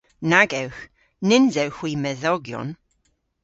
Nag ewgh. Nyns ewgh hwi medhogyon.